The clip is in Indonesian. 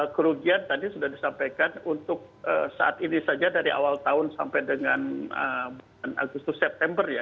kerugian tadi sudah disampaikan untuk saat ini saja dari awal tahun sampai dengan bulan agustus september ya